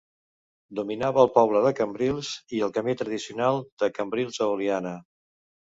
Dominava el poble de Cambrils i el camí tradicional de Cambrils a Oliana.